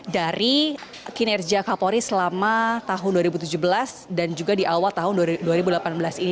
dari kinerja kapolri selama tahun dua ribu tujuh belas dan juga di awal tahun dua ribu delapan belas ini